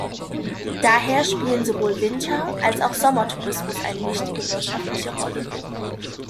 Daher spielen sowohl Winter- als auch Sommer-Tourismus eine wichtige wirtschaftliche Rolle.